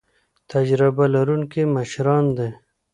تجربه لرونکي مشران دي